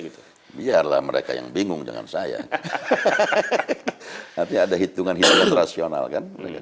gitu biarlah mereka yang bingung dengan saya tapi ada hitungan hitungan rasional kan mereka